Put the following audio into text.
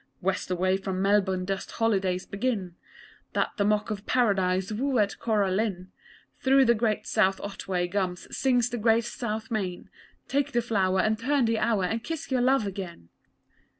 West away from Melbourne dust holidays begin They that mock at Paradise woo at Cora Lynn Through the great South Otway gums sings the great South Main Take the flower and turn the hour, and kiss your love again!